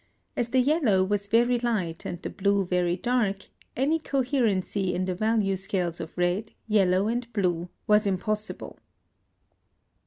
As the yellow was very light and the blue very dark, any coherency in the value scales of red, yellow, and blue was impossible.